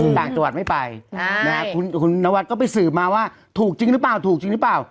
ต่างจัวร์ไม่ไปคุณนวัตย์ก็ไปสืบมาว่าถูกจริงรึเปล่า